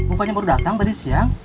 upahnya baru datang tadi siang